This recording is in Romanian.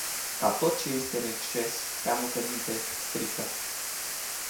Ca tot ce este în exces, prea multă minte strică.